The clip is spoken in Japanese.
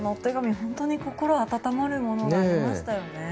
本当に心温まるものがありましたよね。